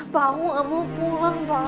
pak aku mau pulang pak